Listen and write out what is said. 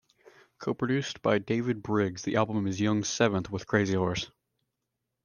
Co-produced by David Briggs, the album is Young's seventh with Crazy Horse.